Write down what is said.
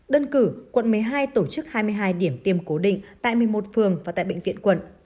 đơn cử quận một mươi hai tổ chức hai mươi hai điểm tiêm cố định tại một mươi một phường và tại bệnh viện quận